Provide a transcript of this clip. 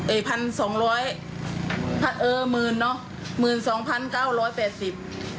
เออหมื่นเนอะหมื่นสองพันเก้าร้อยแปดสิบ